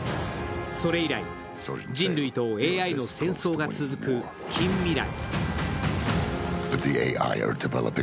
それ以来、人類とＡＩの戦争が続く近未来。